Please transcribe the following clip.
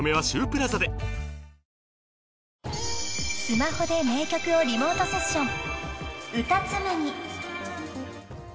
［スマホで名曲をリモートセッション］